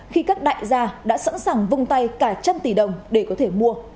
khi các đại gia đã sẵn sàng vung tay cả trăm tỷ đồng để có thể mua